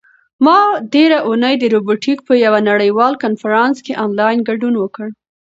ما تېره اونۍ د روبوټیک په یوه نړیوال کنفرانس کې آنلاین ګډون وکړ.